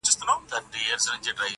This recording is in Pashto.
او د کاغذ مخ په رنګین کړي -